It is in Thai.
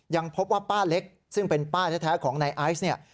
ยังพบว่าป้าเล็กซึ่งเป็นป้าแท้ของนายไอซ์เนี่ย